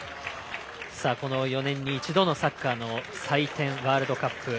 この４年に一度のサッカーの祭典、ワールドカップ。